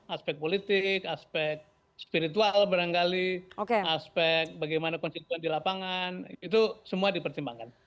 aspek politik aspek spiritual barangkali aspek bagaimana konstituen di lapangan itu semua dipertimbangkan